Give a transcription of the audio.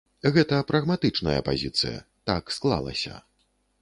Гэта прагматычная пазіцыя, так склалася.